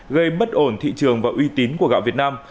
gây bất ổn thị trường và uy tín của gạo việt nam